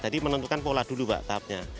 jadi menentukan pola dulu pak tahapnya